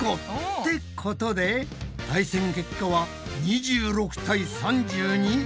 ってことで対戦結果は２６対３２。